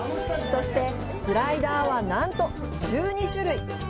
そして、スライダーは、なんと１２種類。